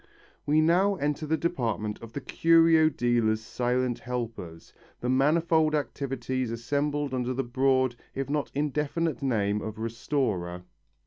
We now enter the department of the curio dealer's silent helpers, the manifold activities assembled under the broad if not indefinite name of restorer.